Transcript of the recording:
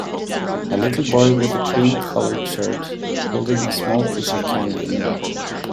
A little boy with a cream colored shirt holding a small piece of candy in a wrapper.